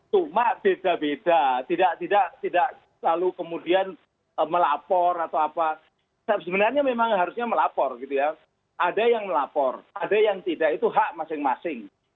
cuma beda beda tidak lalu kemudian melapor atau apa sebenarnya memang harusnya melapor gitu ya ada yang melapor ada yang tidak itu hak masing masing